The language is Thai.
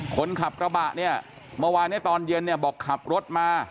คนขับกระบะเมื่อวานตอนเย็นบอกขับรถมา